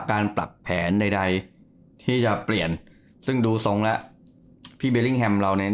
การปรับแผนใดที่จะเปลี่ยนซึ่งดูทรงแล้วพี่เบลลิ่งแฮมเราเนี่ย